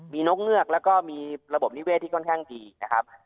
มีนกเงือกแล้วก็มีระบบนิเวศที่ค่อนข้างดีนะครับ